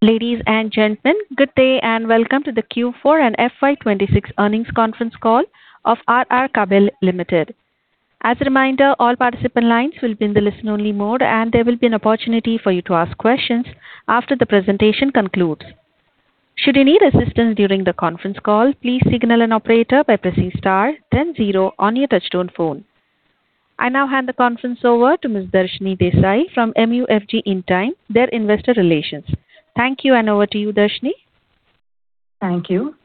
Ladies and gentlemen, good day and welcome to the Q4 and FY 2026 earnings conference call of R R Kabel Limited. As a reminder, all participant lines will be in the listen-only mode, and there will be an opportunity for you to ask questions after the presentation concludes. Should you need assistance during the conference call, please signal an operator by pressing star then zero on your touchtone phone. I now hand the conference over to Ms. Darshni Desai from MUFG Intime, their Investor Relations. Thank you, and over to you, Darshni. Thank you.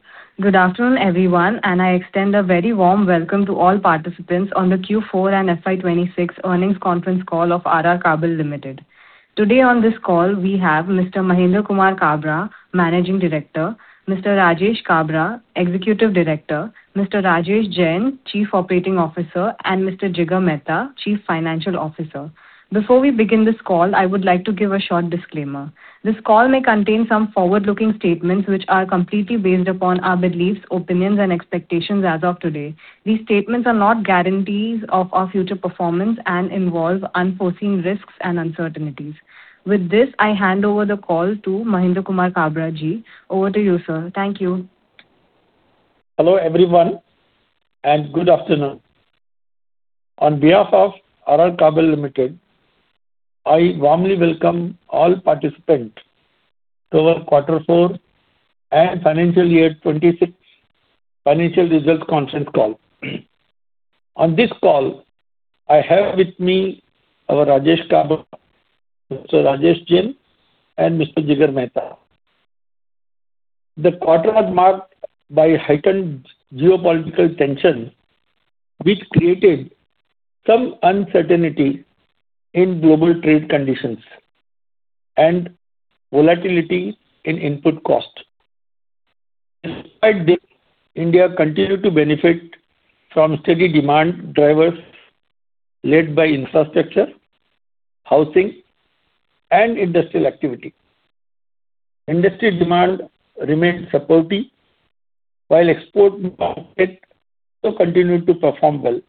Good afternoon, everyone, and I extend a very warm welcome to all participants on the Q4 and FY 2026 earnings conference call of R R Kabel Limited. Today on this call we have Mr. Mahendrakumar Kabra, Managing Director, Mr. Rajesh Kabra, Executive Director, Mr. Rajesh Jain, Chief Operating Officer, and Mr. Jigar Mehta, Chief Financial Officer. Before we begin this call, I would like to give a short disclaimer. This call may contain some forward-looking statements which are completely based upon our beliefs, opinions, and expectations as of today. These statements are not guarantees of our future performance and involve unforeseen risks and uncertainties. With this, I hand over the call to Mahendrakumar Kabra. Over to you, sir. Thank you. Hello, everyone, and good afternoon. On behalf of R R Kabel Limited, I warmly welcome all participants to our quarter four and financial year 2026 financial results conference call. On this call, I have with me our Rajesh Kabra, Mr. Rajesh Jain, and Mr. Jigar Mehta. The quarter was marked by heightened geopolitical tension, which created some uncertainty in global trade conditions and volatility in input costs. Despite this, India continued to benefit from steady demand drivers led by infrastructure, housing, and industrial activity. Industry demand remained supportive while export market also continued to perform well.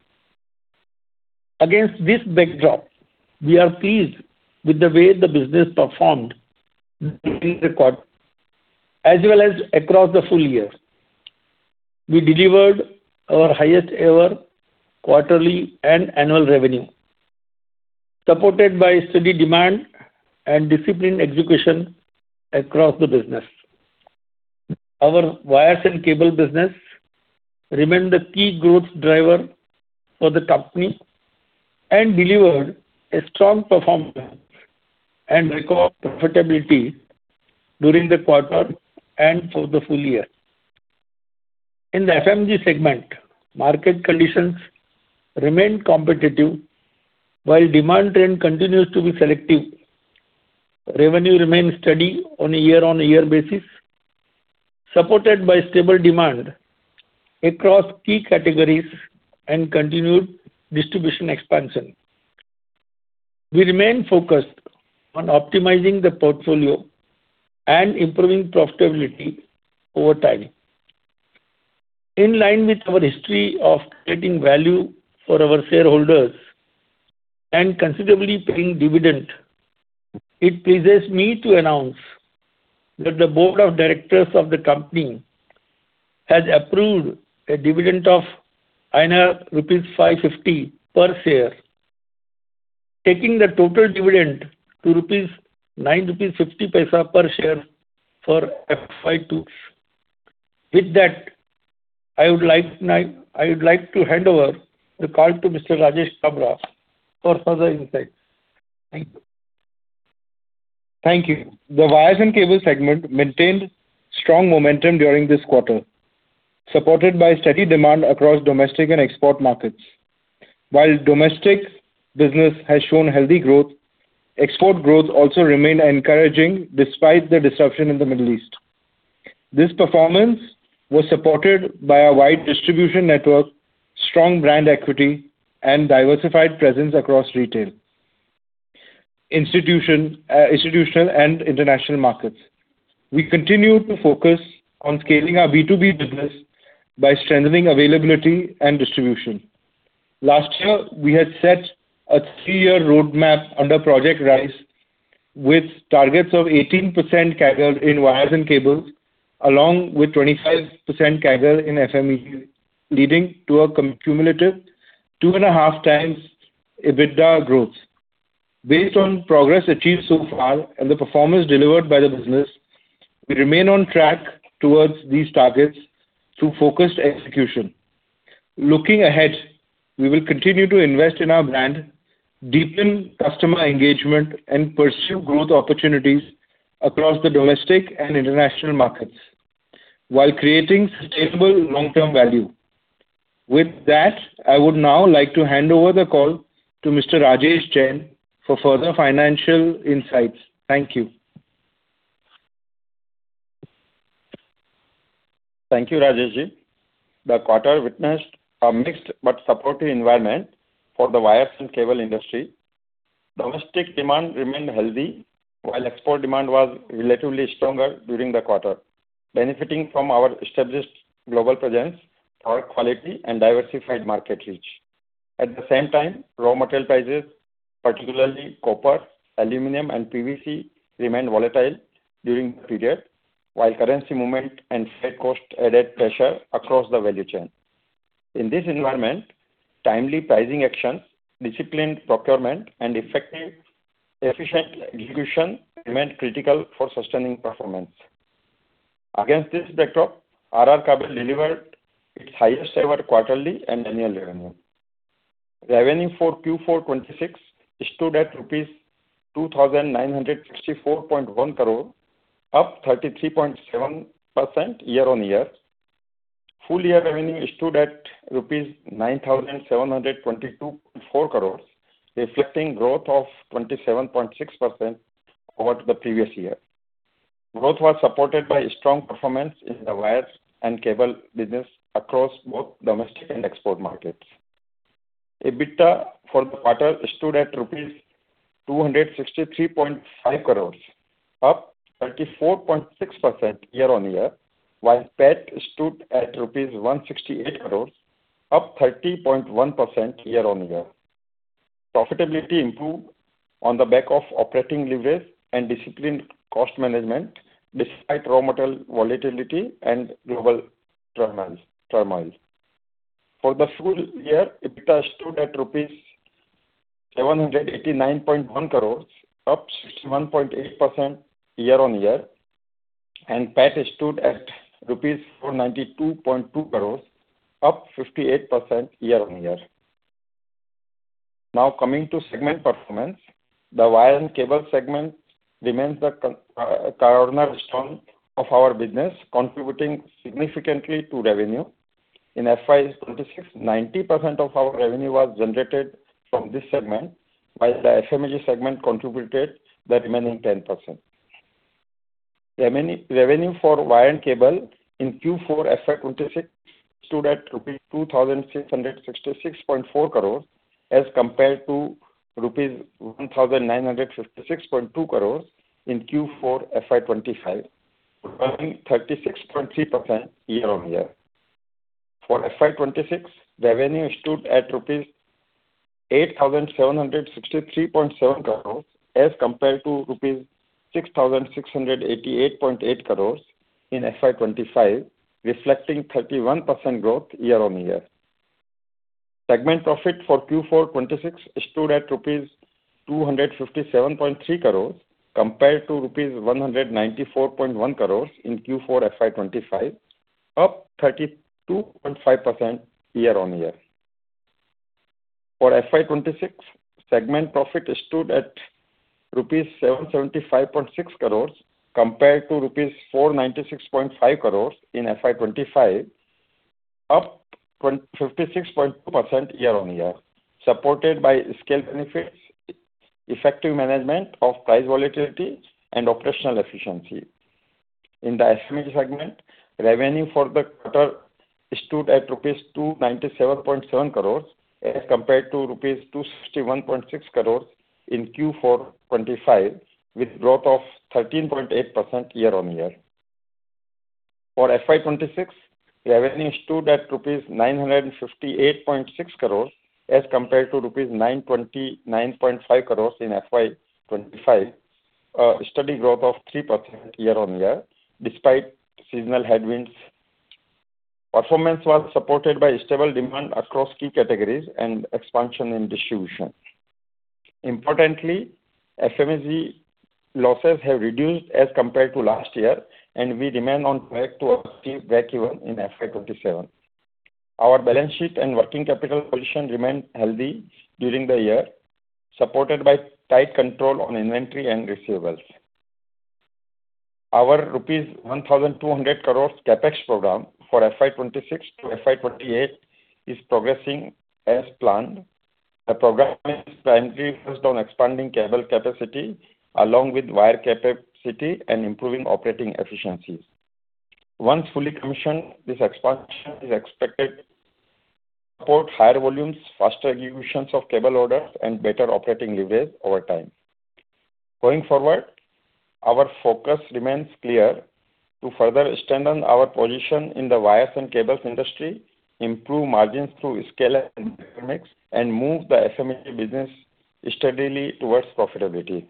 Against this backdrop, we are pleased with the way the business performed during the quarter as well as across the full-year. We delivered our highest ever quarterly and annual revenue, supported by steady demand and disciplined execution across the business. Our wires and cable business remained the key growth driver for the company and delivered a strong performance and record profitability during the quarter and for the full-year. In the FMEG segment, market conditions remained competitive while demand trend continues to be selective. Revenue remained steady on a year-on-year basis, supported by stable demand across key categories and continued distribution expansion. We remain focused on optimizing the portfolio and improving profitability over time. In line with our history of creating value for our shareholders and considerably paying dividend, it pleases me to announce that the board of directors of the company has approved a dividend of rupees 5.50 per share, taking the total dividend to 9.50 rupees per share for FY 2022. With that, I would like to hand over the call to Mr. Rajesh Kabra for further insights. Thank you. The wires and cable segment maintained strong momentum during this quarter, supported by steady demand across domestic and export markets. While domestic business has shown healthy growth, export growth also remained encouraging despite the disruption in the Middle East. This performance was supported by a wide distribution network, strong brand equity, and diversified presence across retail, institutional and international markets. We continue to focus on scaling our B2B business by strengthening availability and distribution. Last year, we had set a three-year roadmap under Project Rise with targets of 18% CAGR in wires and cables, along with 25% CAGR in FMEG, leading to a cumulative 2.5x EBITDA growth. Based on progress achieved so far and the performance delivered by the business, we remain on track towards these targets through focused execution. Looking ahead, we will continue to invest in our brand, deepen customer engagement, and pursue growth opportunities across the domestic and international markets while creating sustainable long-term value. With that, I would now like to hand over the call to Mr. Rajesh Jain for further financial insights. Thank you. Thank you, Rajesh. The quarter witnessed a mixed but supportive environment for the wires and cable industry. Domestic demand remained healthy while export demand was relatively stronger during the quarter, benefiting from our established global presence, our quality, and diversified market reach. At the same time, raw material prices, particularly copper, aluminum, and PVC remained volatile during the period, while currency movement and freight cost added pressure across the value chain. In this environment, timely pricing actions, disciplined procurement, and effective, efficient execution remained critical for sustaining performance. Against this backdrop, R R Kabel delivered its highest ever quarterly and annual revenue. Revenue for Q4 2026 stood at rupees 2,964.1 crore, up 33.7% year-over-year. Full-year revenue stood at 9,722.4 crores rupees, reflecting growth of 27.6% over the previous year. Growth was supported by strong performance in the Wires and Cable business across both domestic and export markets. EBITDA for the quarter stood at rupees 263.5 crores, up 34.6% year-on-year, while PAT stood at INR 168 crores, up 30.1% year-on-year. Profitability improved on the back of operating leverage and disciplined cost management despite raw material volatility and global turmoils. For the full-year, EBITDA stood at rupees 789.1 crores, up 61.8% year-on-year, and PAT stood at rupees 492.2 crores, up 58% year-on-year. Now coming to segment performance. The Wires and Cable segment remains the cornerstone of our business, contributing significantly to revenue. In FY 2026, 90% of our revenue was generated from this segment, while the FMEG segment contributed the remaining 10%. Revenue for wire and cable in Q4 FY 2026 stood at INR 2,666.4 crores as compared to INR 1,956.2 crores in Q4 FY 2025, growing 36.3% year-on-year. For FY 2026, revenue stood at INR 8,763.7 crores as compared to INR 6,688.8 crores in FY 2025, reflecting 31% growth year-on-year. Segment profit for Q4 2026 stood at rupees 257.3 crores compared to rupees 194.1 crores in Q4 FY 2025, up 32.5% year-on-year. For FY 2026, segment profit stood at rupees 775.6 crores compared to rupees 496.5 crores in FY 2025, up 56.2% year-on-year, supported by scale benefits, effective management of price volatility, and operational efficiency. In the FMEG segment, revenue for the quarter stood at rupees 297.7 crores as compared to rupees 261.6 crores in Q4 2025, with growth of 13.8% year-on-year. For FY 2026, revenue stood at rupees 958.6 crores as compared to rupees 929.5 crores in FY 2025, a steady growth of 3% year-on-year despite seasonal headwinds. Performance was supported by stable demand across key categories and expansion in distribution. Importantly, FMEG losses have reduced as compared to last year, and we remain on track to achieve breakeven in FY 2027. Our balance sheet and working capital position remained healthy during the year, supported by tight control on inventory and receivables. Our rupees 1,200 crores CapEx program for FY 2026-FY 2028 is progressing as planned. The program is primarily focused on expanding cable capacity along with wire capacity and improving operating efficiencies. Once fully commissioned, this expansion is expected to support higher volumes, faster executions of cable orders, and better operating leverage over time. Going forward, our focus remains clear: to further strengthen our position in the wires and cables industry, improve margins through scale and better mix, and move the FMEG business steadily towards profitability.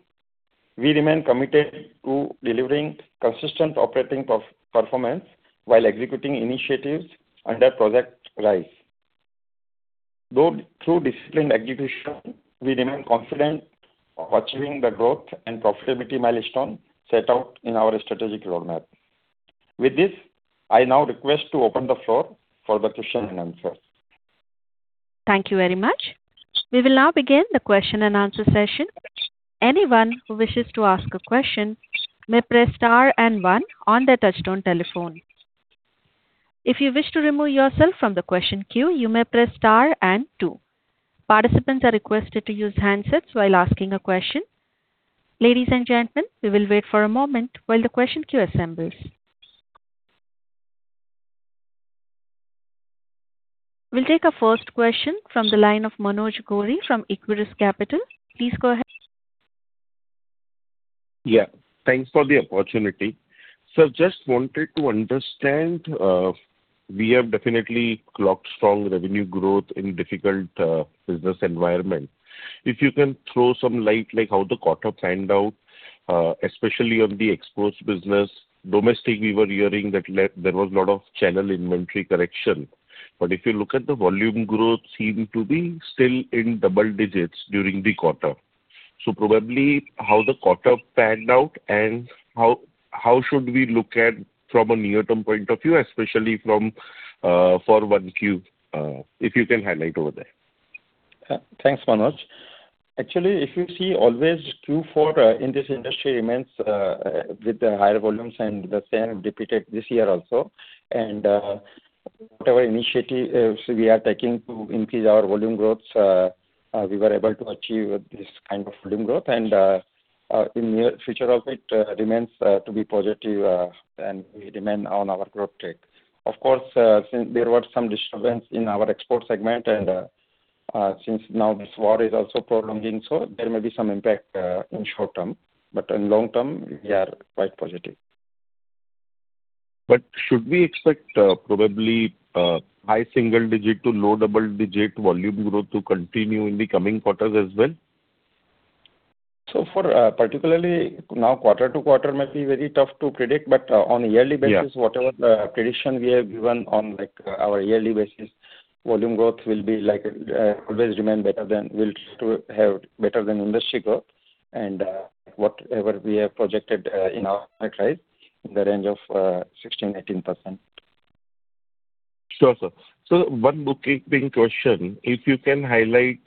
We remain committed to delivering consistent operating performance while executing initiatives under Project Rise. Through disciplined execution, we remain confident of achieving the growth and profitability milestone set out in our strategic roadmap. With this, I now request to open the floor for the question and answer. Thank you very much. We will now begin the question and answer session. Anyone who wishes to ask a question may press star and one on their touchtone telephone. If you wish to remove yourself from the question queue, you may press star and two. Participants are requested to use handsets while asking a question. Ladies and gentlemen, we will wait for a moment while the question queue assembles. We'll take our first question from the line of Manoj Gori from Equirus Capital. Please go ahead. Yeah. Thanks for the opportunity. Just wanted to understand, we have definitely clocked strong revenue growth in difficult business environment. If you can throw some light like how the quarter panned out, especially on the exports business. Domestic, we were hearing that there was a lot of channel inventory correction. If you look at the volume growth seem to be still in double digits during the quarter. Probably how the quarter panned out and how should we look at from a near-term point of view, especially from for 1Q, if you can highlight over there. Thanks, Manoj. Actually, if you see always Q4 in this industry remains with the higher volumes and the same repeated this year also. Whatever initiative so we are taking to increase our volume growths, we were able to achieve this kind of volume growth. In near future also it remains to be positive and we remain on our growth track. Of course, since there were some disturbance in our export segment and since now this war is also prolonging, so there may be some impact in short-term. In long-term we are quite positive. Should we expect probably high single digit to low double digit volume growth to continue in the coming quarters as well? For, particularly now quarter-to-quarter might be very tough to predict, but, on a yearly basis. Yeah whatever the prediction we have given on like our yearly basis, volume growth will be like, will to have better than industry growth and whatever we have projected in our price in the range of 16%-18%. Sure, sir. One bookkeeping question, if you can highlight,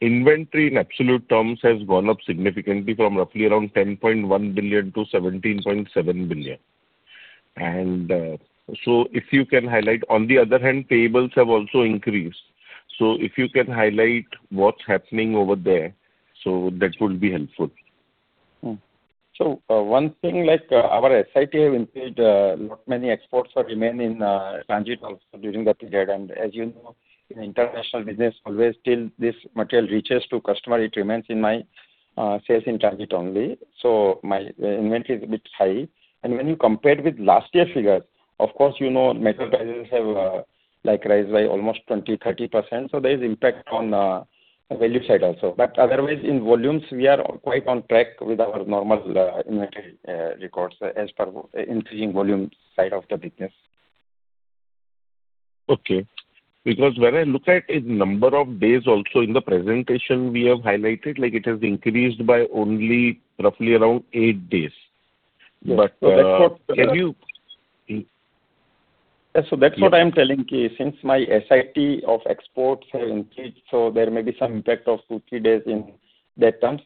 inventory in absolute terms has gone up significantly from roughly around 10.1 billion-17.7 billion. On the other hand, payables have also increased. If you can highlight what's happening over there,? That would be helpful. One thing like, our SIT have increased, lot many exports are remain in transit also during that period. As you know, in international business always till this material reaches to customer, it remains in my sales in transit only. My inventory is a bit high. When you compare with last year figures, of course, you know metal prices have like raised by almost 20%, 30%. There is impact on value side also. Otherwise in volumes we are quite on track with our normal inventory records as per increasing volume side of the business. Okay. When I look at it, number of days also in the presentation we have highlighted, like it has increased by only roughly around eight days. Yes. Can you... Yeah. That's what I'm telling, since my SIT of exports have increased, there may be some impact of two, three days in that terms.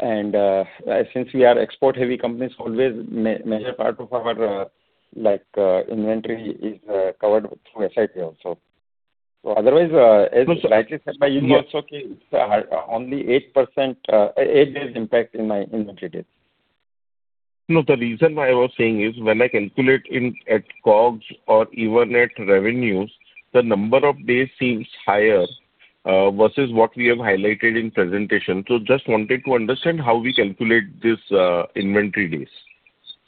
Since we are export heavy companies always major part of our inventory is covered through SIT also. Otherwise, as rightly said by you also. Yes Only eight-days impact in my inventory days. The reason why I was saying is when I calculate in at COGS or even at revenues, the number of days seems higher, versus what we have highlighted in presentation. Just wanted to understand how we calculate this, inventory days.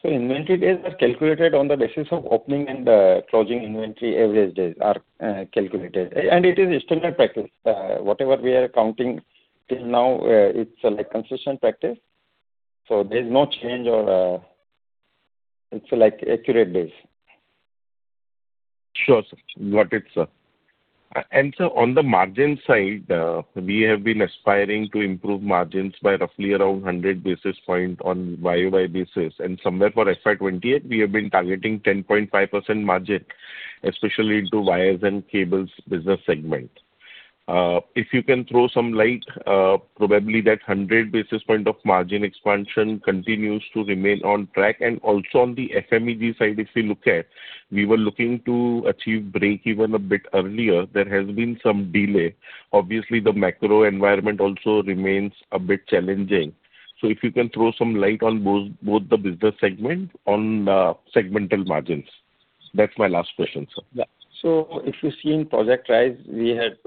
Inventory days are calculated on the basis of opening and closing inventory average days are calculated. It is a standard practice. Whatever we are counting till now, it's like consistent practice, so there's no change or it's like accurate days. Sure, sir. Got it, sir. Sir, on the margin side, we have been aspiring to improve margins by roughly around 100 basis points on YoY basis. Somewhere for FY 2028 we have been targeting 10.5% margin, especially to wires and cables business segment. If you can throw some light, probably that 100 basis points of margin expansion continues to remain on track. Also on the FMEG side, if we look at, we were looking to achieve break-even a bit earlier. There has been some delay. Obviously, the macro environment also remains a bit challenging. If you can throw some light on both the business segment on segmental margins. That's my last question, sir. Yeah. If you see in Project Rise, we had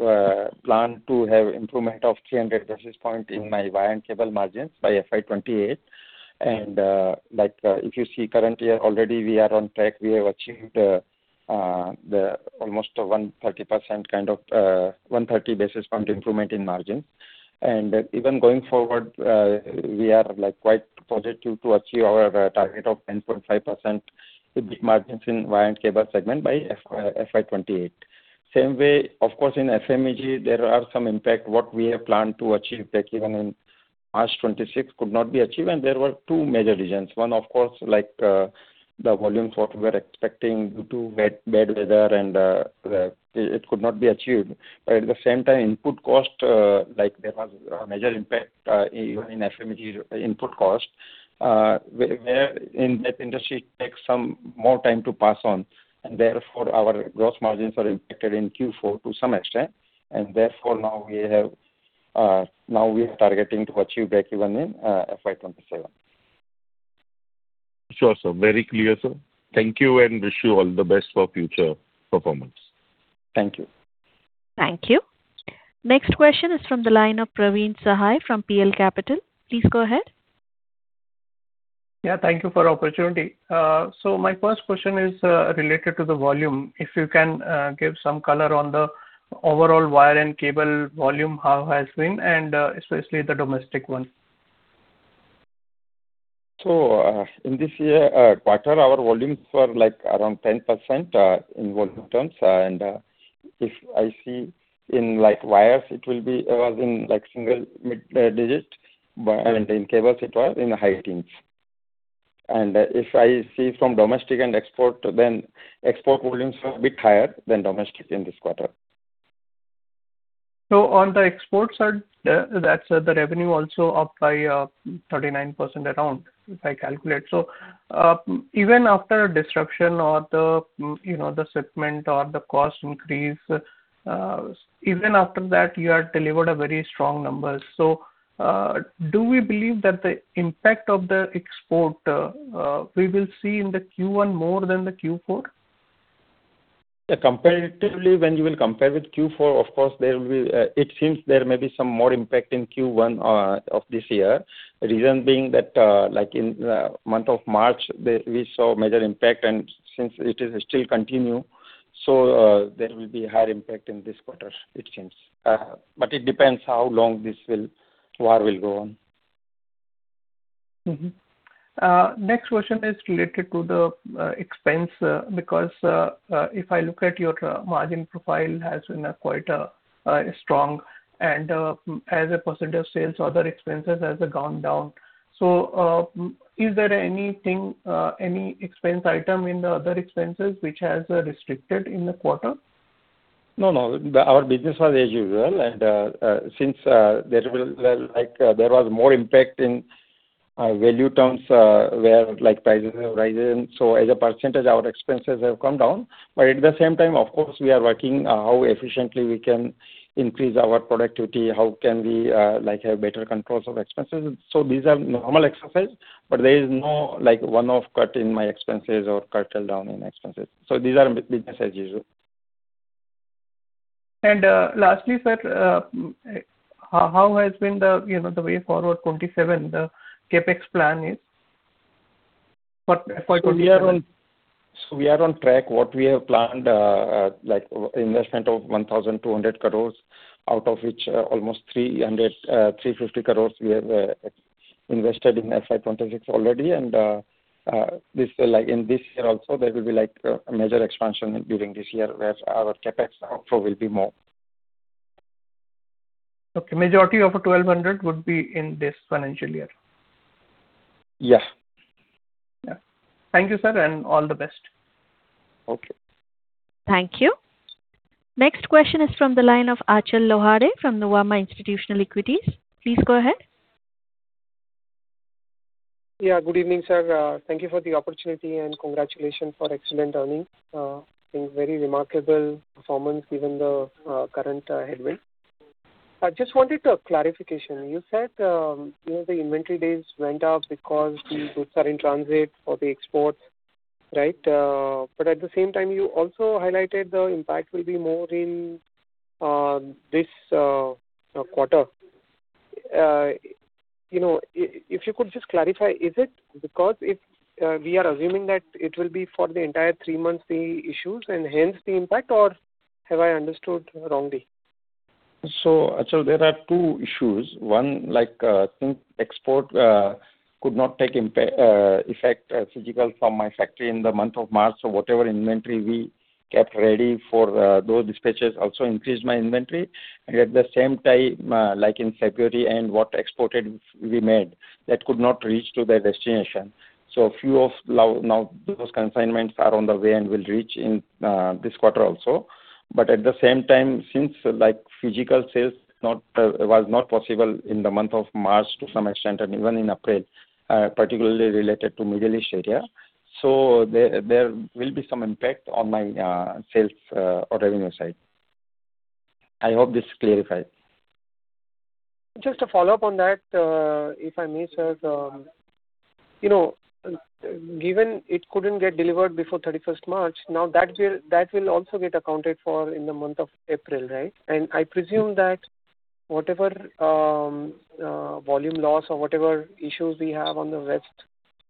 planned to have improvement of 300 basis points in my wire and cable margins by FY 2028. Like, if you see currently already we are on track. We have achieved the almost 130 basis points improvement in margin. Even going forward, we are like quite positive to achieve our target of 10.5% EBIT margins in wire and cable segment by FY 2028. Same way, of course, in FMEG there are some impact what we have planned to achieve breakeven in March 2026 could not be achieved. There were two major reasons. One, of course, like, the volumes what we were expecting due to bad weather and it could not be achieved. At the same time input cost, like there was a major impact, even in FMEG input cost, where in that industry takes some more time to pass on and therefore our gross margins are impacted in Q4 to some extent and therefore now we have, now we are targeting to achieve breakeven in FY 2027. Sure, sir. Very clear, sir. Thank you, and wish you all the best for future performance. Thank you. Thank you. Next question is from the line of Praveen Sahay from PL Capital. Please go ahead. Yeah. Thank you for opportunity. My first question is related to the volume. If you can give some color on the overall wire and cable volume, how has been and especially the domestic one. In this year, quarter, our volumes were like around 10% in volume terms. If I see in like wires it was in like single-mid digit, but in cables it was in the high teens. If I see from domestic and export, then export volumes were a bit higher than domestic in this quarter. On the export side, that's the revenue also up by 39% around, if I calculate. Do we believe that the impact of the export we will see in the Q1 more than the Q4? Yeah. Comparatively, when you will compare with Q4, of course, there will be. It seems there may be some more impact in Q1 of this year. Reason being that like in month of March we saw major impact, and since it is still continue, there will be higher impact in this quarter, it seems. It depends how long war will go on. Next question is related to the expense, because if I look at your margin profile has been quite strong and as a percentage sales, other expenses has gone down. Is there anything any expense item in the other expenses which has restricted in the quarter? No, no. Our business was as usual. Since there was more impact in value terms, where like prices have risen, so as a percentage our expenses have come down. At the same time, of course, we are working how efficiently we can increase our productivity. How can we, like, have better controls of expenses. These are normal exercise. There is no like one-off cut in my expenses or curtail down in expenses. These are business as usual. Lastly, sir, how has been the, you know, the way forward 2027, the CapEx plan is for FY 2027? We are on track. What we have planned, like investment of 1,200 crore, out of which, almost 350 crore we have invested in FY 2026 already. This like, in this year also, there will be like a major expansion during this year where our CapEx outflow will be more. Okay. Majority of a 1,200 would be in this financial year. Yes. Yeah. Thank you, sir, and all the best. Okay. Thank you. Next question is from the line of Achal Lohade from Nuvama Institutional Equities. Please go ahead. Good evening, sir. Thank you for the opportunity, congratulations for excellent earnings. It's been very remarkable performance given the current headwind. I just wanted a clarification. You said, you know, the inventory days went up because the goods are in transit for the exports, right? At the same time, you also highlighted the impact will be more in this quarter. You know, if you could just clarify, is it because if we are assuming that it will be for the entire three months the issues and hence the impact, or have I understood wrongly? Achal, there are two issues. One, since export could not take impact physical from my factory in the month of March. Whatever inventory we kept ready for those dispatches also increased my inventory. In February and what exported we made, that could not reach to their destination. Few of those consignments are on the way and will reach in this quarter also. Since physical sales was not possible in the month of March to some extent and even in April, particularly related to Middle East area. There will be some impact on my sales or revenue side. I hope this clarified. Just a follow-up on that, if I may, sir. You know, given it couldn't get delivered before 31st March, that will also get accounted for in the month of April, right? I presume that whatever volume loss or whatever issues we have on the rest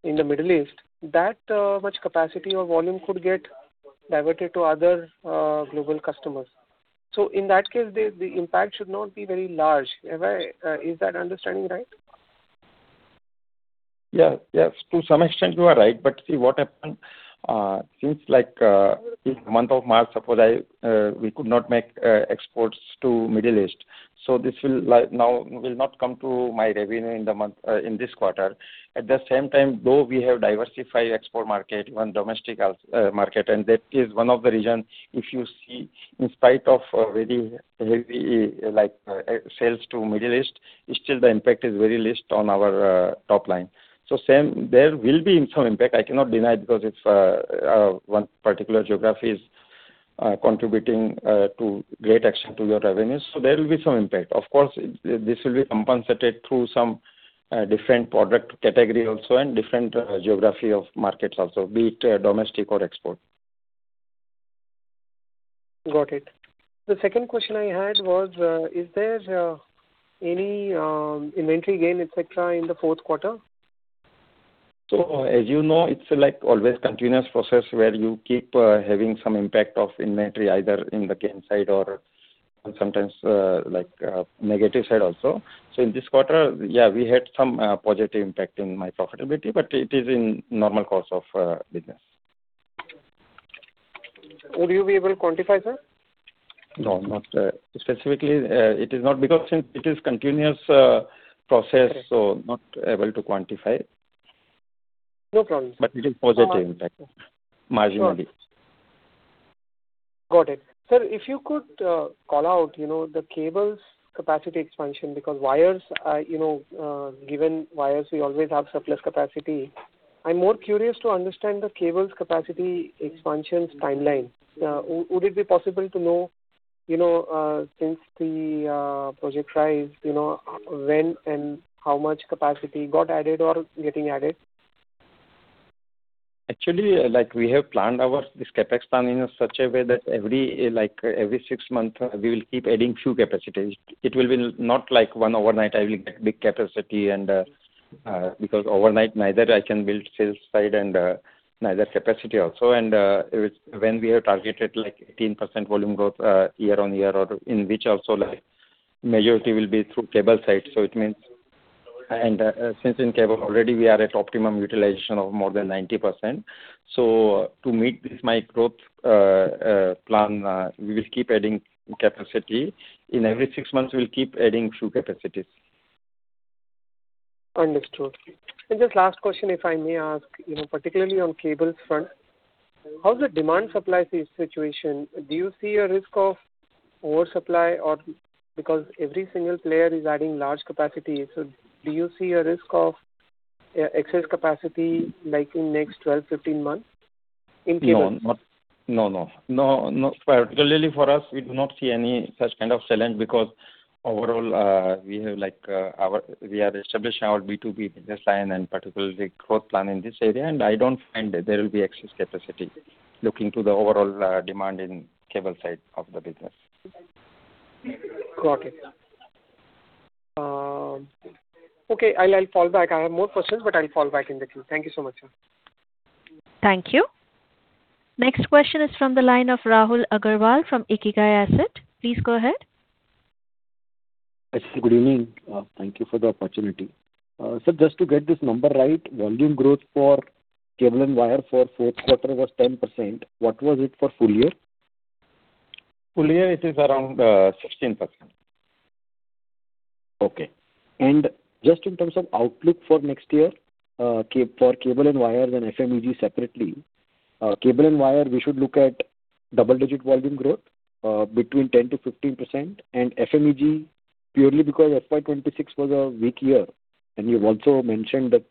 in the Middle East, that much capacity or volume could get diverted to other global customers. In that case, the impact should not be very large. Is that understanding right? Yeah. Yes. To some extent you are right. See what happened, since like, since month of March, suppose I, we could not make exports to Middle East. This will like now will not come to my revenue in the month, in this quarter. At the same time, we have diversified export market and domestic market, and that is one of the reason, if you see, in spite of a very heavy like, sales to Middle East, still the impact is very least on our top line. Same, there will be some impact, I cannot deny it because it's one particular geography contributing to great extent to your revenues. There will be some impact. Of course, this will be compensated through some different product category also and different geography of markets also, be it domestic or export. Got it. The second question I had was, is there any inventory gain, et cetera, in the fourth quarter? As you know, it's like always continuous process where you keep having some impact of inventory, either in the gain side or sometimes, like, negative side also. In this quarter, yeah, we had some positive impact in my profitability, but it is in normal course of business. Would you be able to quantify, sir? No, not specifically, it is not because since it is continuous. Okay. Not able to quantify. No problem, sir. It is positive impact. Marginally. Got it. Sir, if you could call out, you know, the cables capacity expansion because wires are, you know, given wires we always have surplus capacity. I'm more curious to understand the cables capacity expansions timeline. Would it be possible to know, you know, since the Project Rise, you know, when and how much capacity got added or getting added? Actually, we have planned our this CapEx plan in a such a way that every six months we will keep adding few capacities. It will be not like one overnight I will get big capacity because overnight neither I can build sales side neither capacity also. It's when we have targeted 18% volume growth year-on-year or in which also majority will be through cable side. It means since in cable already we are at optimum utilization of more than 90% so to meet this my growth plan we will keep adding capacity. In every six months we'll keep adding few capacities. Understood. Just last question, if I may ask, you know, particularly on cables front, how's the demand supply situation? Do you see a risk of oversupply or because every single player is adding large capacity, so do you see a risk of excess capacity like in next 12, 15 months in cable? No. Not particularly for us, we do not see any such kind of challenge because overall, we have like, our, we are establishing our B2B business line and particularly growth plan in this area and I don't find there will be excess capacity looking to the overall demand in cable side of the business. Got it. Okay. I'll fall back. I have more questions, but I'll fall back in the queue. Thank you so much, sir. Thank you. Next question is from the line of Rahul Agarwal from Ikigai Asset. Please go ahead. Yes, good evening. Thank you for the opportunity. Sir, just to get this number right, volume growth for cable and wire for fourth quarter was 10%. What was it for full-year? Full-year it is around 16%. Okay. Just in terms of outlook for next year, for cable and wire then FMEG separately, cable and wire we should look at double-digit volume growth, between 10%-15% and FMEG purely because FY 2026 was a weak year, and you've also mentioned that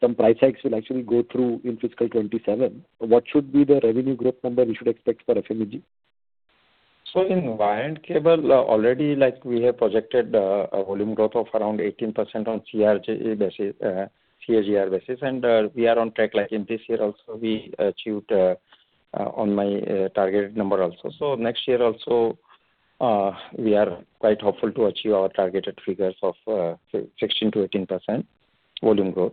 some price hikes will actually go through in fiscal 2027. What should be the revenue growth number we should expect for FMEG? In wire and cable, already like we have projected a volume growth of around 18% on CAGR basis, and we are on track like in this year also we achieved on my targeted number also. Next year also, we are quite hopeful to achieve our targeted figures of 16%-18% volume growth.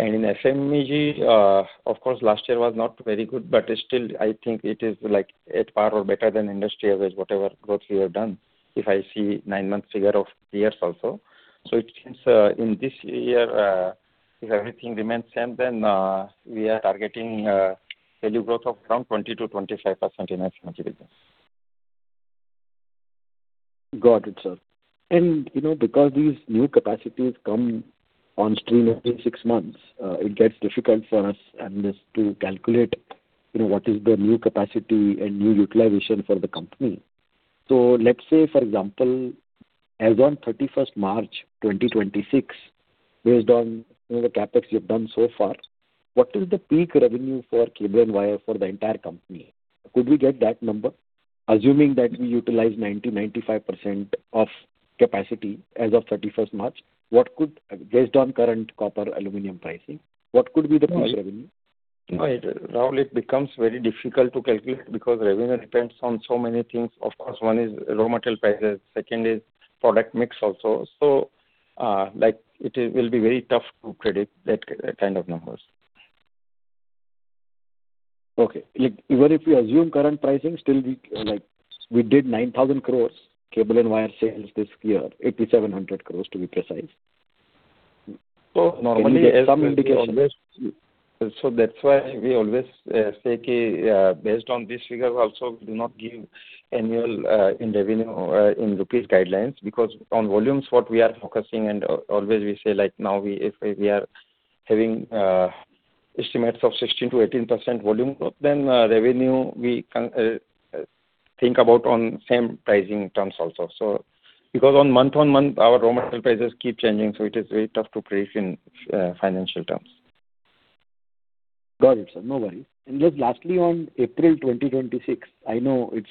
In FMEG, of course last year was not very good, but still I think it is like at par or better than industry average, whatever growth we have done, if I see nine months figure of this also. It seems, in this year, if everything remains same then, we are targeting value growth of around 20%-25% in FMEG business. Got it, sir. You know, because these new capacities come on stream every six months, it gets difficult for us analysts to calculate, you know, what is the new capacity and new utilization for the company. Let's say for example, as on 31st March 2026, based on, you know, the CapEx you've done so far, what is the peak revenue for cable and wire for the entire company? Could we get that number? Assuming that we utilize 90%-95% of capacity as of 31st March, based on current copper, aluminum pricing, what could be the peak revenue? No, Rahul, it becomes very difficult to calculate because revenue depends on so many things. Of course, one is raw material prices, second is product mix also. Like it is, will be very tough to predict that kind of numbers. Okay. Like even if we assume current pricing, still we, like we did 9,000 crores cable and wire sales this year, 8,700 crores to be precise. So normally- Can we get some indication? That's why we always say, based on this figure also we do not give annual, in revenue or in INR guidelines because on volumes, what we are focusing and always we say like now we, if we are having estimates of 16%-18% volume growth then revenue we can think about on same pricing terms also. Because on month-on-month our raw material prices keep changing, so it is very tough to predict in financial terms. Got it, sir. No worry. Just lastly, on April 2026, I know it's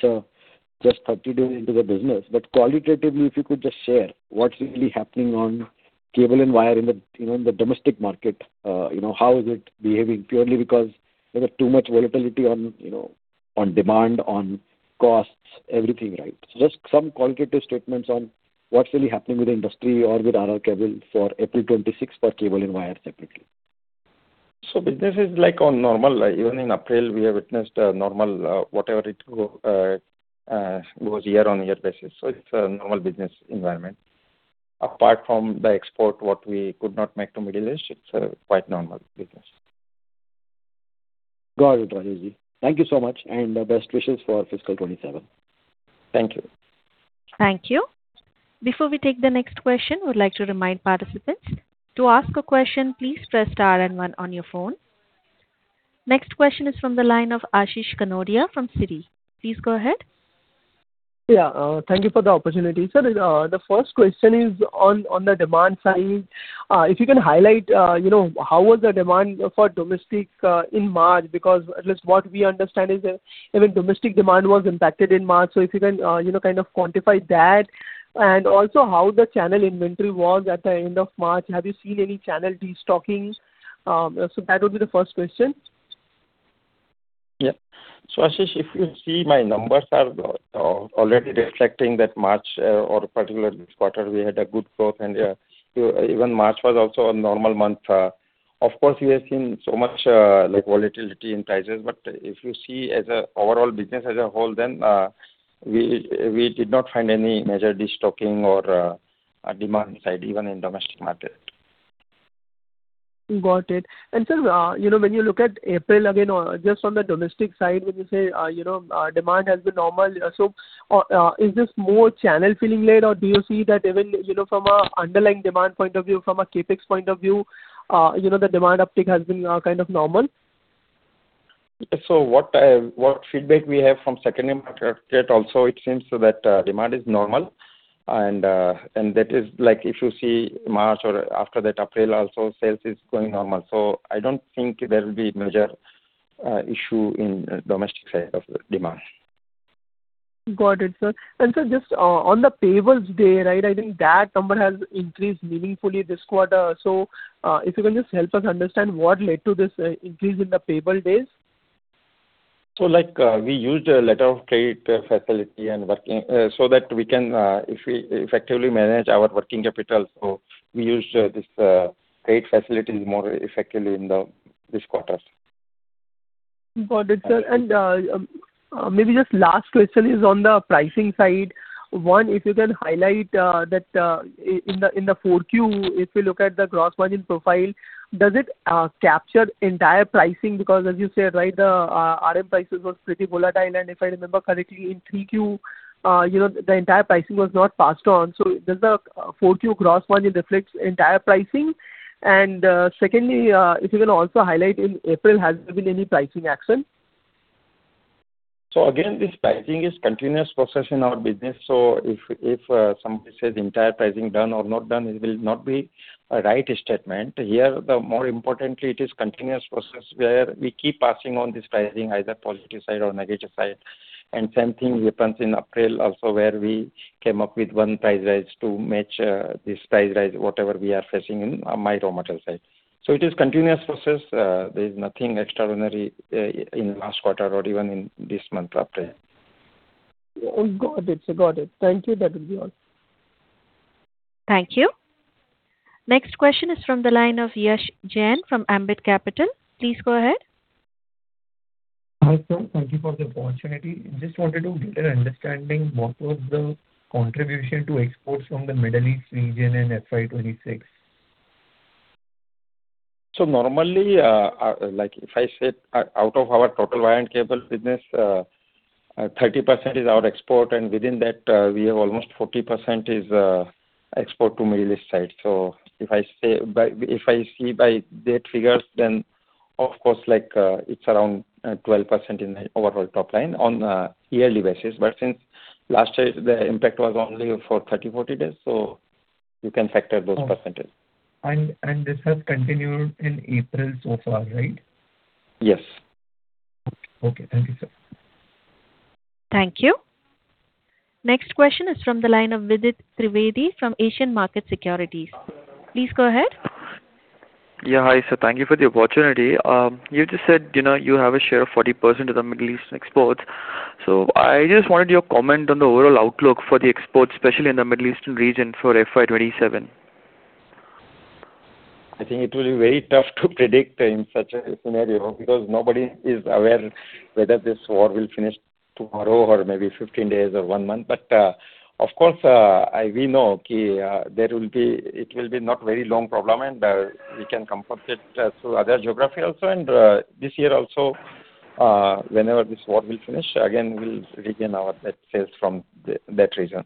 just 30 days into the business, but qualitatively, if you could just share what's really happening on cable and wire in the, you know, in the domestic market. You know, how is it behaving? Purely because there's too much volatility on, you know, on demand, on costs, everything, right? Just some qualitative statements on what's really happening with the industry or with R R Kabel for April 26 for cable and wire separately. Business is like on normal. Even in April, we have witnessed normal, whatever it goes year-on-year basis. It's a normal business environment. Apart from the export, what we could not make to Middle East, it's a quite normal business. Got it, Rajesh. Thank you so much, and best wishes for fiscal 2027. Thank you. Thank you. Before we take the next question, we would like to remind participants, to ask a question, please press star and one on your phone. Next question is from the line of Ashish Kanodia from Citi. Please go ahead. Yeah. Thank you for the opportunity. Sir, the first question is on the demand side. If you can highlight, you know, how was the demand for domestic in March? At least what we understand is that even domestic demand was impacted in March. If you can, you know, kind of quantify that. Also how the channel inventory was at the end of March. Have you seen any channel destockings? That would be the first question. Yeah. Ashish, if you see my numbers are already reflecting that March, or particularly this quarter, we had a good growth. Even March was also a normal month. Of course, we have seen so much like volatility in prices. If you see as a overall business as a whole then, we did not find any major destocking or demand side even in domestic market. Got it. Sir, you know, when you look at April again, or just on the domestic side, when you say, you know, demand has been normal. Is this more channel filling lead, or do you see that even, you know, from a underlying demand point of view, from a CapEx point of view, you know, the demand uptick has been kind of normal? What feedback we have from second also it seems that demand is normal and that is like if you see March or after that April also sales is going normal. I don't think there will be major issue in domestic side of demand. Got it, sir. Sir, just on the payable days, right? I think that number has increased meaningfully this quarter. If you can just help us understand what led to this increase in the payable days. Like, we used a letter of credit facility and working, so that we can, if we effectively manage our working capital. We used this trade facilities more effectively in the this quarter. Got it, sir. Maybe just last question is on the pricing side. One, if you can highlight that in the 4Q, if you look at the gross margin profile, does it capture entire pricing? Because as you said, right, the RM prices was pretty volatile. If I remember correctly, in 3Q, you know, the entire pricing was not passed on. Does the 4Q gross margin reflects entire pricing? Secondly, if you can also highlight in April, has there been any pricing action? Again, this pricing is continuous process in our business. If somebody says entire pricing done or not done, it will not be a right statement. Here, more importantly, it is continuous process where we keep passing on this pricing, either positive side or negative side. Same thing happens in April also where we came up with one price rise to match this price rise, whatever we are facing in my raw material side. It is continuous process. There is nothing extraordinary in last quarter or even in this month, April. Got it, sir. Got it. Thank you. That will be all. Thank you. Next question is from the line of Yash Jain from Ambit Capital. Please go ahead. Hi, sir. Thank you for the opportunity. I just wanted to get an understanding what was the contribution to exports from the Middle East region in FY 2026? Normally, like if I say, out of our total wire and cable business, 30% is our export, and within that, we have almost 40% is export to Middle East side. If I see by that figures, of course, like, it's around, 12% in the overall top line on a yearly basis. Since last year the impact was only for 30, 40 days, you can factor those percentage. This has continued in April so far, right? Yes. Okay. Thank you, sir. Thank you. Next question is from the line of Vidit Trivedi from Asian Markets Securities. Please go ahead. Yeah. Hi, sir. Thank you for the opportunity. You just said, you know, you have a share of 40% of the Middle Eastern exports. I just wanted your comment on the overall outlook for the exports, especially in the Middle Eastern region for FY 2027. I think it will be very tough to predict in such a scenario because nobody is aware whether this war will finish tomorrow or maybe 15 days or one month. Of course, I, we know, it will be not very long problem and we can comfort it through other geography also. This year also, whenever this war will finish, again we'll regain our net sales from that region.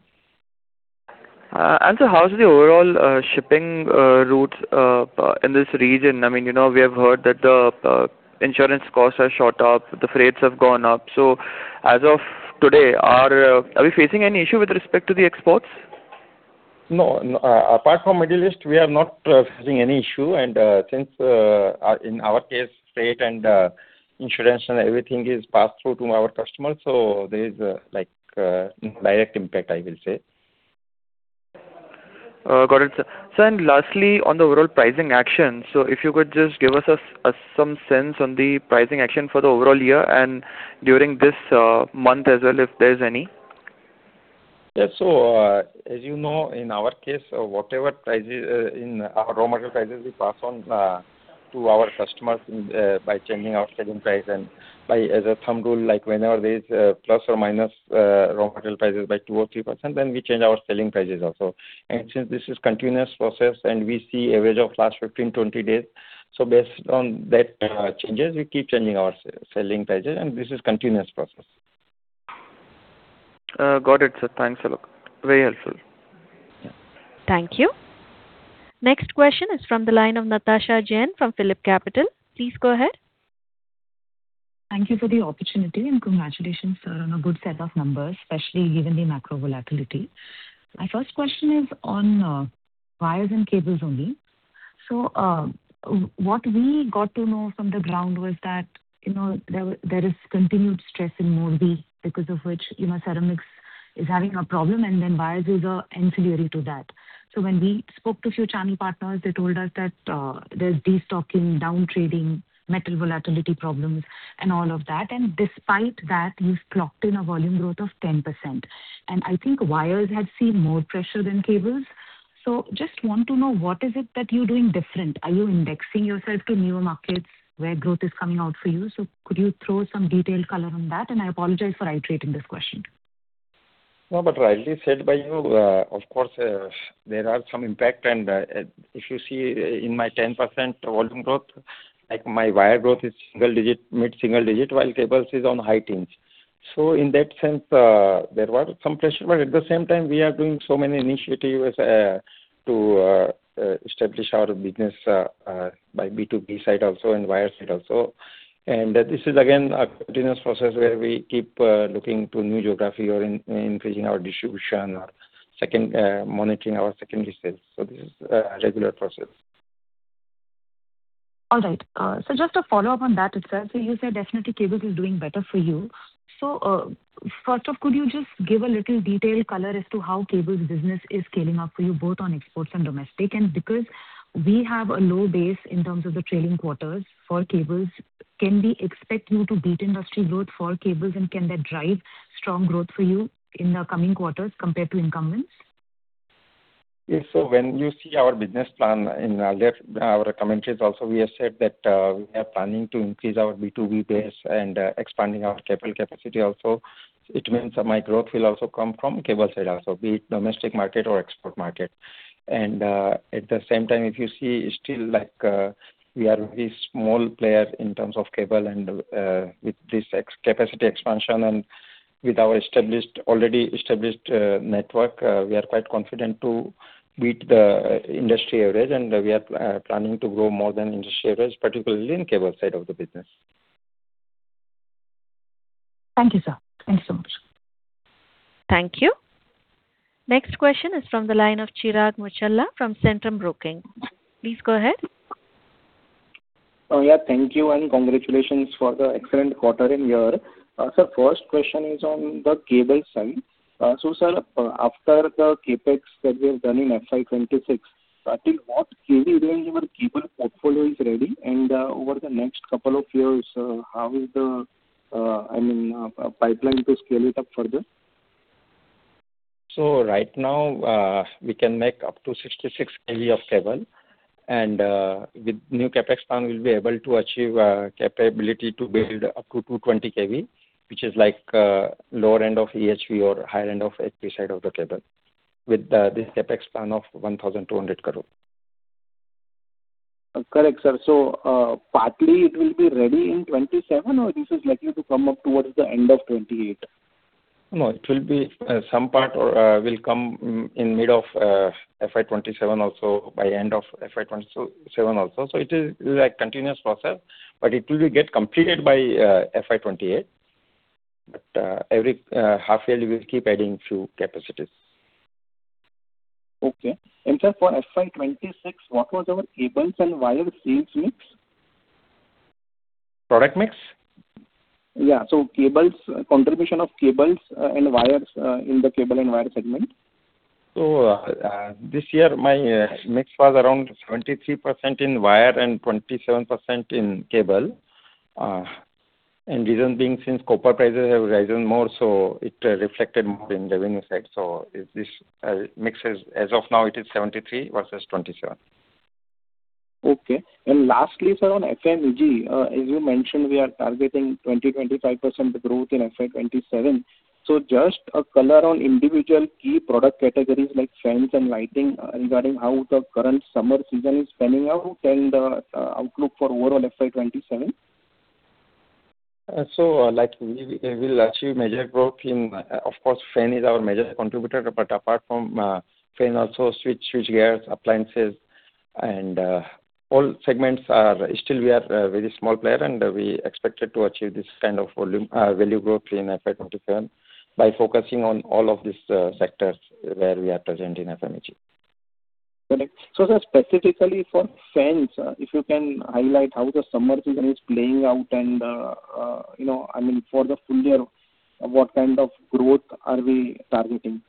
How is the overall shipping routes in this region? I mean, you know, we have heard that the insurance costs have shot up, the freights have gone up. As of today, are we facing any issue with respect to the exports? No, no. apart from Middle East, we are not facing any issue. Since in our case, freight and insurance and everything is passed through to our customers, there is like indirect impact, I will say. Got it, sir. Sir, lastly, on the overall pricing action. If you could just give us some sense on the pricing action for the overall year and during this month as well, if there is any. Yeah. As you know, in our case, whatever prices, in our raw material prices we pass on to our customers in by changing our selling price and by as a thumb rule, like whenever there is ± raw material prices by 2% or 3%, then we change our selling prices also. Since this is continuous process and we see average of last 15, 20 days, based on that changes, we keep changing our selling prices, and this is continuous process. Got it, sir. Thanks a lot. Very helpful. Yeah. Thank you. Next question is from the line of Natasha Jain from PhillipCapital. Please go ahead. Thank you for the opportunity and congratulations, sir, on a good set of numbers, especially given the macro volatility. My first question is on wires and cables only. What we got to know from the ground was that, you know, there is continued stress in Morbi because of which, you know, ceramics is having a problem, and then wires is ancillary to that. When we spoke to few channel partners, they told us that there's destocking, down trading, metal volatility problems and all of that. Despite that, you've clocked in a volume growth of 10%. I think wires had seen more pressure than cables. Just want to know what is it that you're doing different. Are you indexing yourself to newer markets where growth is coming out for you? Could you throw some detailed color on that? I apologize for iterating this question. No, but rightly said by you. Of course, there are some impact. If you see in my 10% volume growth, like my wire growth is single digit, mid-single digit, while cables is on high teens. In that sense, there was some pressure, but at the same time, we are doing so many initiatives to establish our business by B2B side also and wire side also. This is again a continuous process where we keep looking to new geography or increasing our distribution or monitoring our secondary sales. This is a regular process. All right. Just a follow-up on that as well. You said definitely cables is doing better for you. First off, could you just give a little detail color as to how cables business is scaling up for you, both on exports and domestic? Because we have a low base in terms of the trailing quarters for cables, can we expect you to beat industry growth for cables, and can that drive strong growth for you in the coming quarters compared to incumbents? Yes. When you see our business plan in our debt, our commentaries also, we have said that, we are planning to increase our B2B base and expanding our cable capacity also. It means my growth will also come from cable side also, be it domestic market or export market. At the same time, if you see still like, we are very small player in terms of cable and with this capacity expansion and with our established, already established, network, we are quite confident to beat the industry average, and we are planning to grow more than industry average, particularly in cable side of the business. Thank you, sir. Thank you so much. Thank you. Next question is from the line of Chirag Muchhala from Centrum Broking. Please go ahead. Oh, yeah. Thank you and congratulations for the excellent quarter and year. Sir, first question is on the cable side. Sir, after the CapEx that we have done in FY 2026, I think what KV range your cable portfolio is ready and, over the next couple of years, how is the, I mean, pipeline to scale it up further? Right now, we can make up to 66 KV of cable. With new CapEx plan, we'll be able to achieve capability to build up to 220 KV, which is like lower end of EHV or higher end of EHV side of the cable with this CapEx plan of 1,200 crore. Correct, sir. Partly it will be ready in 2027, or this is likely to come up towards the end of 2028? It will be some part will come in mid of FY 2027 also by end of FY 2027 also. It is like continuous process, but it will get completed by FY 2028. Every half yearly we'll keep adding few capacities. Okay. Sir for FY 2026, what was our cables and wire sales mix? Product mix? Yeah. cables, contribution of cables, and wires, in the cable and wire segment. This year my mix was around 73% in wire and 27% in cable. Reason being since copper prices have risen more, it reflected more in revenue side. This mix is as of now it is 73 versus 27. Okay. Lastly, sir, on FMEG, as you mentioned, we are targeting 20%-25% growth in FY 2027. Just a color on individual key product categories like fans and lighting regarding how the current summer season is panning out and outlook for overall FY 2027. We will achieve major growth in, of course, fan is our major contributor, but apart from fan also switch gears, appliances and all segments. Still we are a very small player, and we expected to achieve this kind of value growth in FY 2027 by focusing on all of these sectors where we are present in FMEG. Correct. Sir, specifically for fans, if you can highlight how the summer season is playing out and, you know, I mean, for the full-year, what kind of growth are we targeting?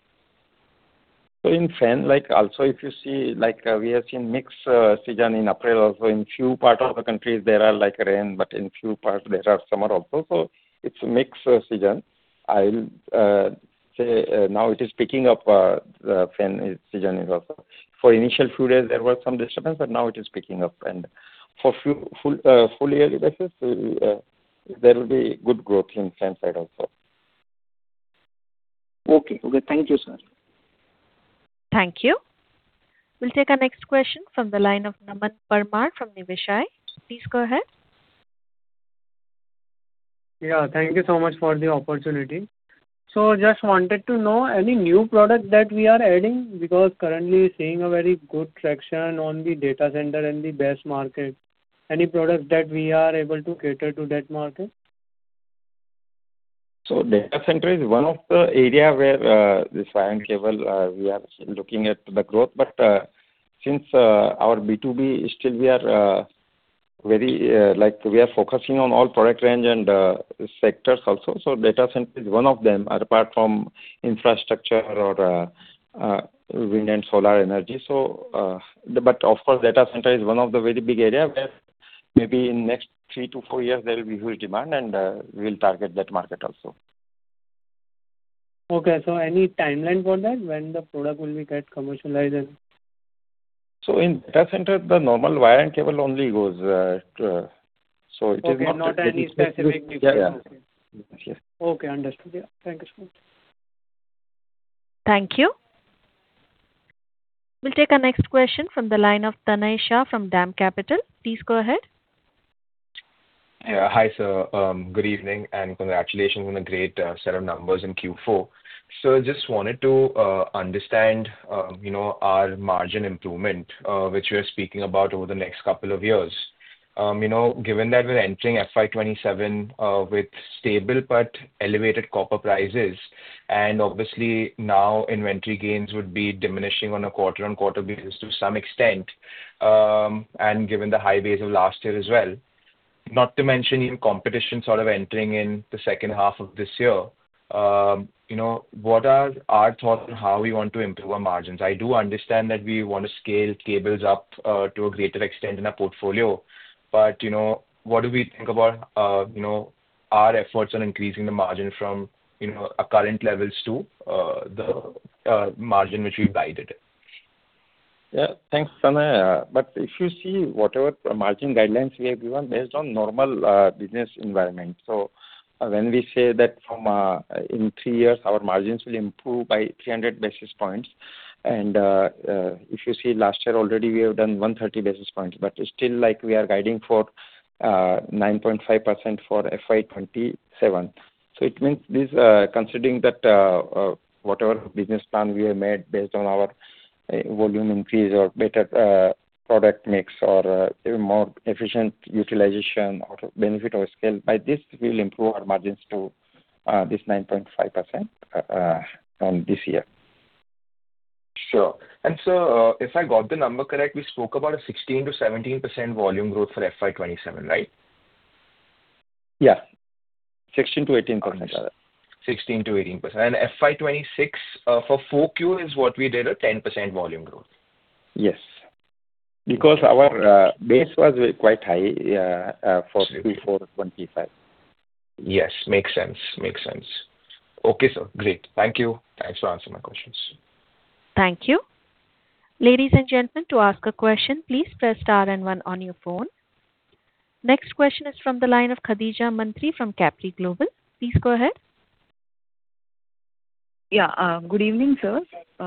In fan, like, also if you see, like, we have seen mixed season in April also. In few parts of the countries there are, like, rain, but in few parts there are summer also. It's mixed season. I'll say now it is picking up, the fan season is also. For initial few days there were some disturbance, but now it is picking up. For few full-yearly basis, we there will be good growth in fan side also. Okay. Okay. Thank you, sir. Thank you. We'll take our next question from the line of Naman Parmar from Niveshaay. Please go ahead. Yeah, thank you so much for the opportunity. Just wanted to know any new product that we are adding, because currently seeing a very good traction on the data center and the base market. Any products that we are able to cater to that market? Data center is one of the area where this wire and cable we are looking at the growth. Since our B2B still we are very like we are focusing on all product range and sectors also. Data center is one of them apart from infrastructure or wind and solar energy. Of course, data center is one of the very big area where maybe in next three-four years there will be huge demand and we'll target that market also. Okay. Any timeline for that, when the product will be get commercialized? In data center, the normal wire and cable only goes. Okay. Yeah, yeah. Okay. Yes. Okay, understood. Yeah. Thank you so much. Thank you. We'll take our next question from the line of Tanay Shah from DAM Capital. Please go ahead. Yeah. Hi, sir. Good evening, and congratulations on a great set of numbers in Q4. Just wanted to understand, you know, our margin improvement, which we are speaking about over the next couple of years. You know, given that we're entering FY 2027 with stable but elevated copper prices, and obviously now inventory gains would be diminishing on a quarter-on-quarter basis to some extent, and given the high base of last year as well, not to mention even competition sort of entering in the second half of this year, you know, what are our thoughts on how we want to improve our margins? I do understand that we want to scale cables up, to a greater extent in our portfolio, but, you know, what do we think about, you know, our efforts on increasing the margin from, you know, our current levels to, the, margin which we guided? Yeah. Thanks, Tanay. If you see whatever margin guidelines we have given based on normal business environment. When we say that from in three years our margins will improve by 300 basis points and if you see last year already we have done 130 basis points, still, like, we are guiding for 9.5% for FY 2027. It means this, considering that whatever business plan we have made based on our volume increase or better product mix or more efficient utilization or benefit of scale, by this we'll improve our margins to this 9.5% from this year. Sure. Sir, if I got the number correct, we spoke about a 16%-17% volume growth for FY 2027, right? Yeah. 16%-18%. Okay. 16%-18%. FY 2026, for 4Q is what we did a 10% volume growth. Yes. Our base was quite high for FY 2025. Yes, makes sense. Makes sense. Okay, sir. Great. Thank you. Thanks for answering my questions. Thank you. Ladies and gentlemen, to ask a question, please press star and one on your phone. Next question is from the line of Khadija Mantri from Capri Global. Please go ahead. Yeah. Good evening, sir.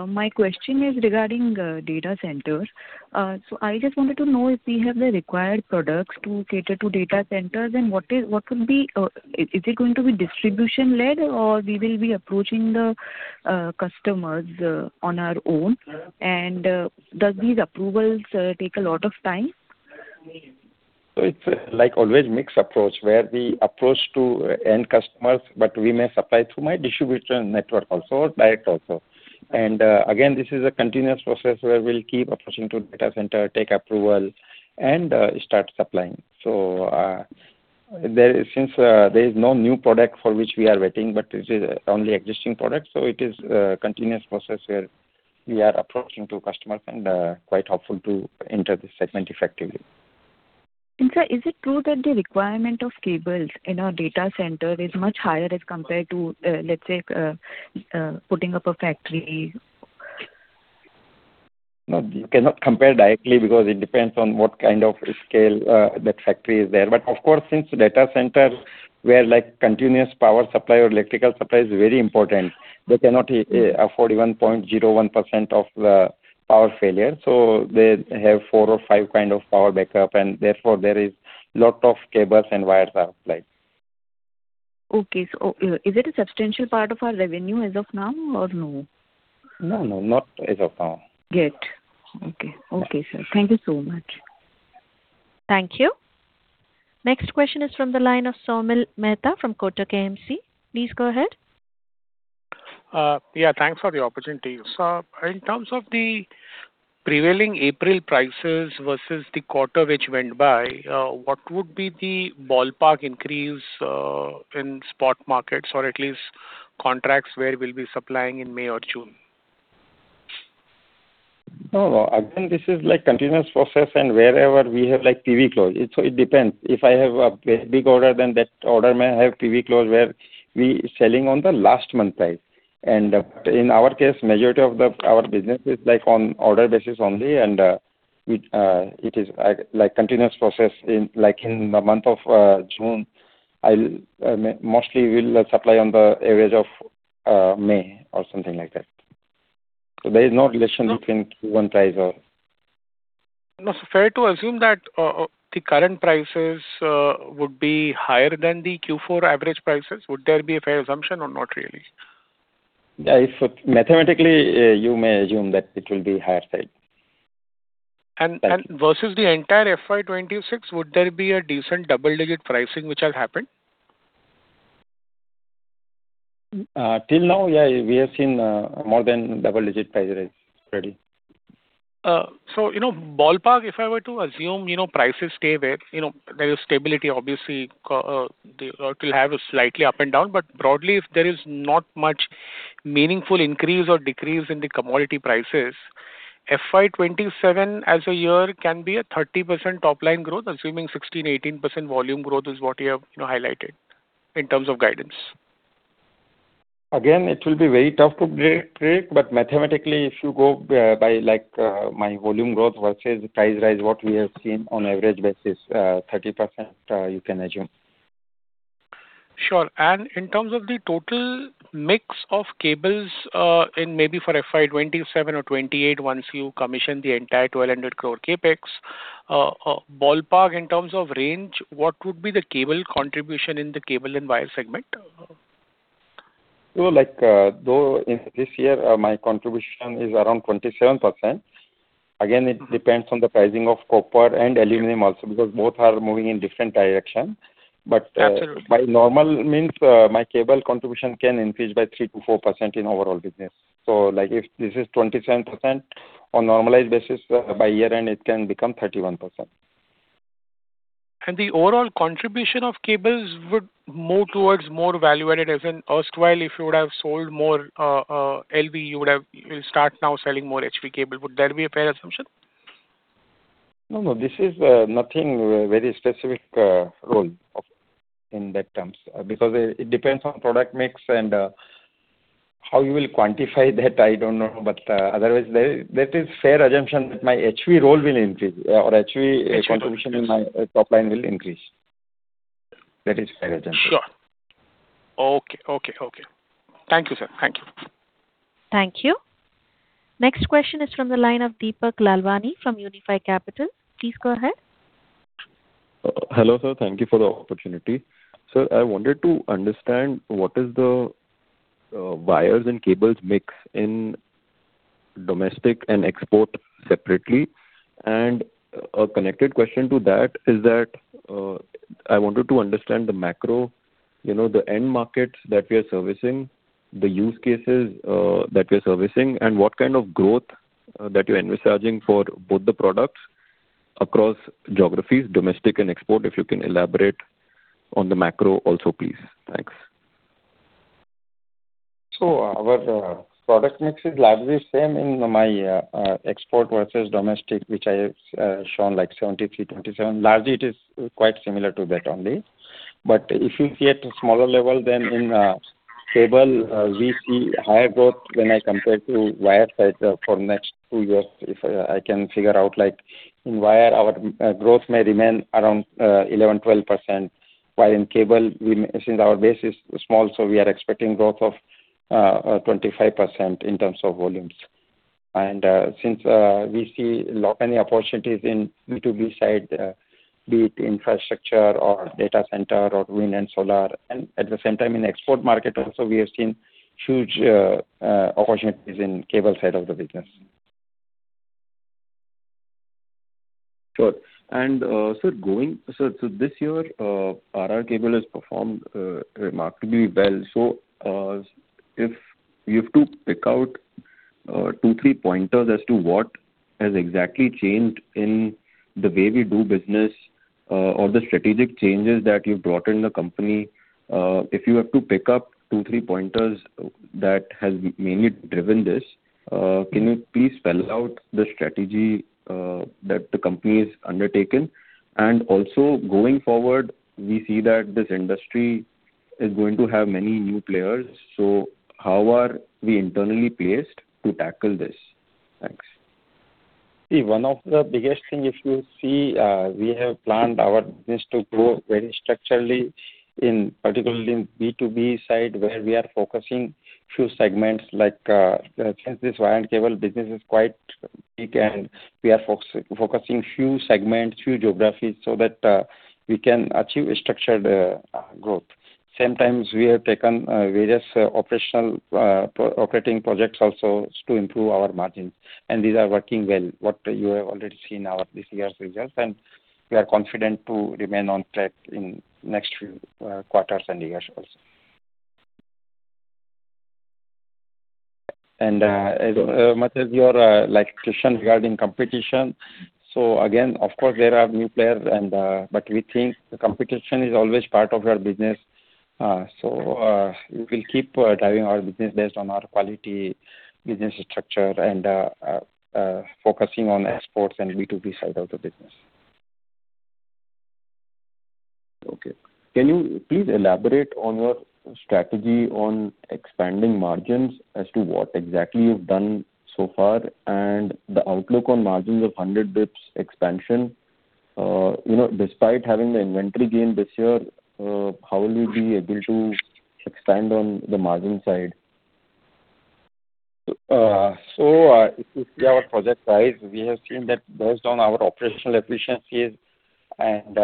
My question is regarding data centers. I just wanted to know if we have the required products to cater to data centers, and what is, what would be, is it going to be distribution-led or we will be approaching the customers on our own? Does these approvals take a lot of time? It's, like always, mixed approach, where we approach to end customers, but we may supply through my distribution network also, direct also. Again, this is a continuous process where we'll keep approaching to data center, take approval and start supplying. Since there is no new product for which we are waiting, but this is only existing product, so it is a continuous process where we are approaching to customers and quite hopeful to enter this segment effectively. Sir, is it true that the requirement of cables in a data center is much higher as compared to, let's say, putting up a factory? You cannot compare directly because it depends on what kind of scale that factory is there. Of course, since data center where, like, continuous power supply or electrical supply is very important, they cannot afford even 0.01% of power failure. They have four or five kind of power backup and therefore there is lot of cables and wires are applied. Okay. Is it a substantial part of our revenue as of now or no? No, no, not as of now. Get. Okay. Okay, sir. Thank you so much. Thank you. Next question is from the line of Saumil Mehta from Kotak AMC. Please go ahead. Yeah, thanks for the opportunity. In terms of the prevailing April prices versus the quarter which went by, what would be the ballpark increase, in spot markets or at least contracts where we'll be supplying in May or June? No, again, this is like continuous process, wherever we have like PV clause. It depends. If I have a very big order, then that order may have PV clause, where we selling on the last month price. In our case, majority of the, our business is like on order basis only, we, it is, like continuous process. Like in the month of June, I'll mostly we'll supply on the average of May or something like that. There is no relation between Q1 price. No, fair to assume that the current prices would be higher than the Q4 average prices, would there be a fair assumption or not really? If, mathematically, you may assume that it will be higher price. Thank you. Versus the entire FY 2026, would there be a decent double-digit pricing which has happened? Till now, we have seen more than double-digit price rise already. You know, ballpark, if I were to assume, you know, prices stay where, you know, there is stability, obviously, it will have a slightly up and down, but broadly if there is not much meaningful increase or decrease in the commodity prices, FY 2027 as a year can be a 30% top line growth, assuming 16%-18% volume growth is what you have, you know, highlighted in terms of guidance? It will be very tough to pre-predict, but mathematically, if you go by like my volume growth versus price rise, what we have seen on average basis, 30%, you can assume. Sure. In terms of the total mix of cables, in maybe for FY 2027 or 2028, once you commission the entire 1,200 crore CapEx, ballpark in terms of range, what would be the cable contribution in the cable and wire segment? Like, though in this year, my contribution is around 27%. Again, it depends on the pricing of copper and aluminum also because both are moving in different direction. Absolutely. By normal means, my cable contribution can increase by 3% to 4% in overall business. Like if this is 27%, on normalized basis, by year-end it can become 31%. The overall contribution of cables would move towards more value-added, as in erstwhile if you would have sold more LV, you'll start now selling more HV cable. Would that be a fair assumption? No, no, this is nothing very specific role of, in that terms. Because it depends on product mix and how you will quantify that I don't know. Otherwise that is fair assumption that my HV role will increase or HV contribution in my top line will increase. That is fair assumption. Sure. Okay. Okay. Okay. Thank you, sir. Thank you. Thank you. Next question is from the line of Deepak Lalwani from Unifi Capital. Please go ahead. Hello, sir. Thank you for the opportunity. Sir, I wanted to understand what is the wires and cables mix in domestic and export separately. A connected question to that is that, I wanted to understand the macro, you know, the end markets that we are servicing, the use cases that we are servicing, and what kind of growth that you're envisaging for both the products across geographies, domestic and export, if you can elaborate on the macro also, please. Thanks. Our product mix is largely same in my export versus domestic, which I have shown like 73, 27. Largely it is quite similar to that only. If you see at a smaller level than in cable, we see higher growth when I compare to wire side for next two years. If I can figure out like in wire our growth may remain around 11%-12%, while in cable we, since our base is small, we are expecting growth of 25% in terms of volumes. Since we see many opportunities in B2B side, be it infrastructure or data center or wind and solar, and at the same time in export market also we have seen huge opportunities in cable side of the business. Sure. Sir, this year, R R Kabel has performed remarkably well. If you have to pick out two, three pointers as to what has exactly changed in the way we do business, or the strategic changes that you've brought in the company, if you have to pick up two, three pointers that has mainly driven this, can you please spell out the strategy that the company has undertaken? Also going forward, we see that this industry is going to have many new players. How are we internally placed to tackle this? Thanks. See, one of the biggest thing if you see, we have planned our business to grow very structurally, in particular in B2B side, where we are focusing few segments like, since this wire and cable business is quite big and we are focusing few segments, few geographies, so that, we can achieve a structured growth. Sometimes we have taken various operational operating projects also to improve our margins, and these are working well, what you have already seen our, this year's results, and we are confident to remain on track in next few quarters and years also. As much as your like question regarding competition. Again, of course, there are new players. We think the competition is always part of our business. We will keep driving our business based on our quality business structure and focusing on exports and B2B side of the business. Okay. Can you please elaborate on your strategy on expanding margins as to what exactly you've done so far and the outlook on margins of 100 basis points expansion? You know, despite having the inventory gain this year, how will you be able to expand on the margin side? If you see our Project Rise, we have seen that based on our operational efficiencies and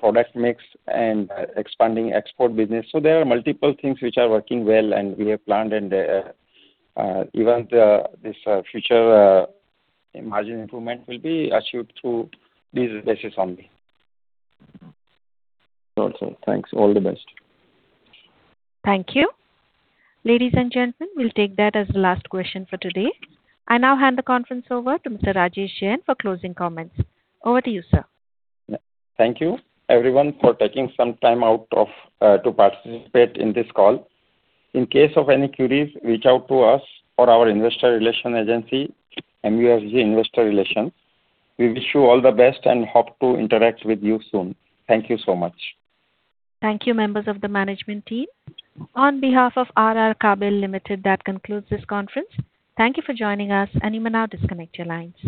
product mix and expanding export business. There are multiple things which are working well and we have planned and even the, this, future margin improvement will be achieved through these bases only. Got you. Thanks. All the best. Thank you. Ladies and gentlemen, we'll take that as the last question for today. I now hand the conference over to Mr. Rajesh Jain for closing comments. Over to you, sir. Thank you everyone for taking some time out of to participate in this call. In case of any queries, reach out to us or our investor relation agency, MUFG Investor Relations. We wish you all the best and hope to interact with you soon. Thank you so much. Thank you, members of the management team. On behalf of R R Kabel Limited, that concludes this conference. Thank you for joining us, and you may now disconnect your lines.